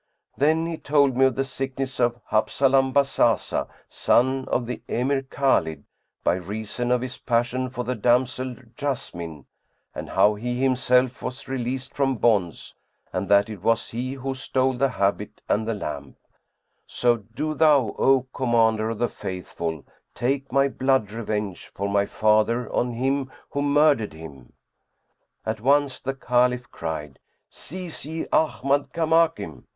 Then he told me of the sickness of Habzalam Bazazah, son of the Emir Khбlid, by reason of his passion for the damsel Jessamine, and how he himself was released from bonds and that it was he who stole the habit and the lamp: so do thou, O Commander of the Faithful, take my blood revenge for my father on him who murdered him." At once the Caliph cried, "Seize ye Ahmad Kamakim!"